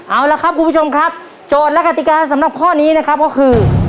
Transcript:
เอาละครับคุณผู้ชมครับโจทย์และกติกาสำหรับข้อนี้นะครับก็คือ